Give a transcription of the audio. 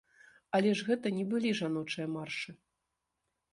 Але ж гэта не былі жаночыя маршы!